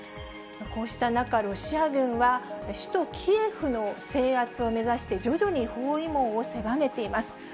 こうした中、ロシア軍は、首都キエフの制圧を目指して徐々に包囲網を狭めています。